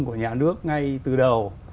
của nhà nước ngay từ đầu